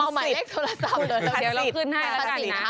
เอาหมายเลขโทรศัพท์เลยเดี๋ยวเราขึ้นให้ละกันอีกนะคะ